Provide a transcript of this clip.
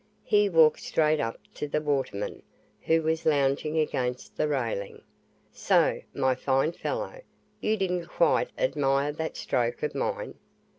He walked straight up to the waterman, who was lounging against the railing. "So, my fine fellow, you didn't quite admire that stroke of mine.